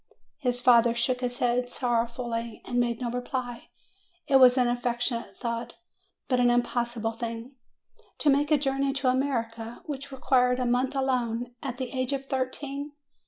His father shook his head sorrowfully and made no reply. It was an affectionate thought, but an im possible thing. To make a journey to America, which required a month alone, at the age of thirteen!